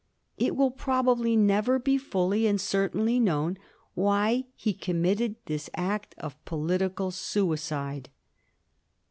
It will probably never be fully and certainly known why he committed this act of political suicide.